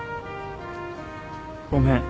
ごめん。